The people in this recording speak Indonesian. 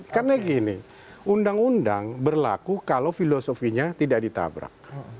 karena gini undang undang berlaku kalau filosofinya tidak ditabrak